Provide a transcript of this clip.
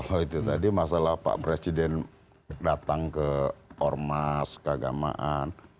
oh itu tadi masalah pak presiden datang ke ormas keagamaan